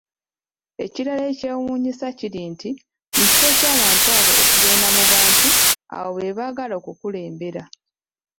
Ekirala ekyewuunyisa kiri nti mu kifo kya bantu abo okugenda mu bantu abo bebaagala okukulembera